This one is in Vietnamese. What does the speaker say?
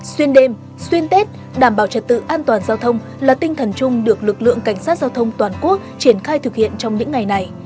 xuyên đêm xuyên tết đảm bảo trật tự an toàn giao thông là tinh thần chung được lực lượng cảnh sát giao thông toàn quốc triển khai thực hiện trong những ngày này